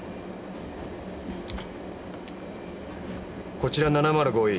こちら７０５Ｅ。